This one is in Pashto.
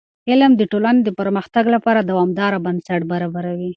علم د ټولنې د پرمختګ لپاره دوامداره بنسټ برابروي.